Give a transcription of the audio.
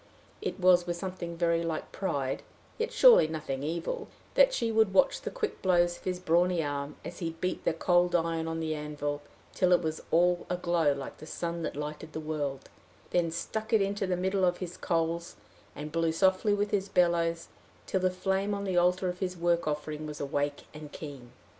It was with something very like pride, yet surely nothing evil, that she would watch the quick blows of his brawny arm, as he beat the cold iron on the anvil till it was all aglow like the sun that lighted the world then stuck it into the middle of his coals, and blew softly with his bellows till the flame on the altar of his work offering was awake and keen.